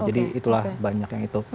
jadi itulah banyak yang itu